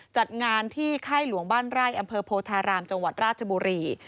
จัดงานที่ค่ายหลวงบ้านไร่อำเภอโพธารามจังหวัดราชบุรี